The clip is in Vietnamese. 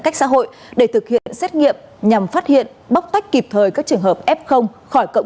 cách xã hội để thực hiện xét nghiệm nhằm phát hiện bóc tách kịp thời các trường hợp f khỏi cộng